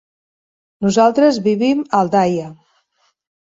Nosaltres vivim a Aldaia.